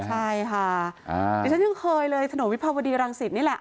ใช่ค่ะดิฉันยังเคยเลยถนนวิภาวดีรังสิตนี่แหละ